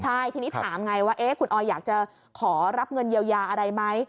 ใช่ทีนี้ถามไงว่าคุณออยอยากจะขอรับเงินเยียวยาอะไรไหม